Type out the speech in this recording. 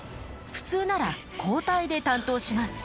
普通なら交代で担当します。